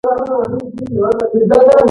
سهار دې ستوماني وباسه، جانانه.